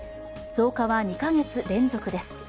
増加は２カ月連続です。